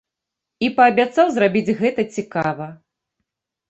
І паабяцаў зрабіць гэта цікава.